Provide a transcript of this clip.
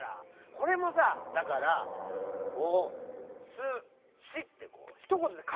これもさだから「おすし」ってひとことでかいてよ！